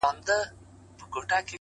خو اوس دي گراني دا درسونه سخت كړل؛